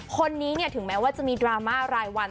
คนนี้ถึงแม้ว่าจะมีดราม่ารายวัน